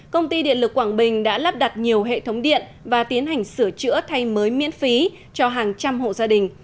công ty điện lực quảng bình đã lắp đặt nhiều hệ thống điện và tiến hành sửa chữa thay mới miễn phí cho hàng trăm hộ gia đình